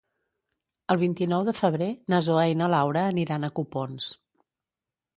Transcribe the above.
El vint-i-nou de febrer na Zoè i na Laura aniran a Copons.